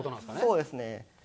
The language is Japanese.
そうですね。